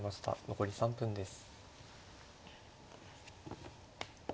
残り３分です。